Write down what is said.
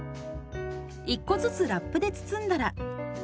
１個ずつラップで包んだら。